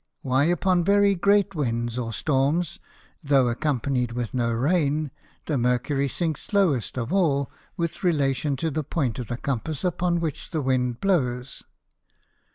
_Why upon very great Winds or Storms, tho' accompanied with no Rain, the Mercury sinks lowest of all, with relation to the Point of the Compass upon which the Wind blows?